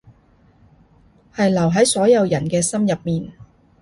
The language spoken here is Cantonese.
係留喺所有人嘅心入面